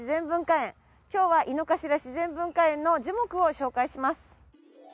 今日は井の頭自然文化園の樹木を紹介します。